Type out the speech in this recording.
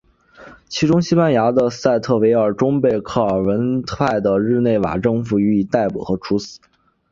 其中西班牙的塞尔维特终被克尔文派的日内瓦政府予以逮捕和处死。